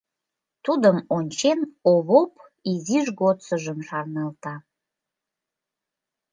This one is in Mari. Тудым ончен, Овоп изиж годсыжым шарналта.